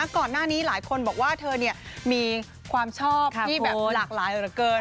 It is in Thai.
ก่อนหน้านี้หลายคนบอกว่าเธอมีความชอบที่แบบหลากหลายเหลือเกิน